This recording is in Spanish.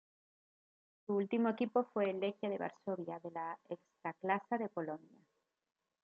Su último equipo fue el Legia de Varsovia de la Ekstraklasa de Polonia.